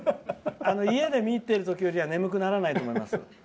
家で見入っている時よりは眠くならないと思います。